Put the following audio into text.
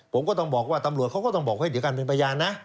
ผมก็ต้องบอกว่าตำรวจเขาก็ต้องบอกให้เดี๋ยวกันเป็นพยานนะ